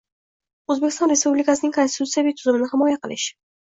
O‘zbekiston Respublikasining konstitutsiyaviy tuzumini himoya qilish